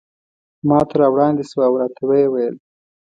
ماته را وړاندې شوه او راته ویې ویل.